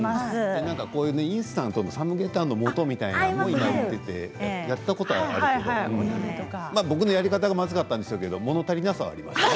インスタントのサムゲタンのもとというのが売っていてやったことはあったけど、僕のやり方がまずかったんですけどもの足りなさは、ありますよね。